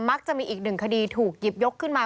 จะมีอีกหนึ่งคดีถูกหยิบยกขึ้นมา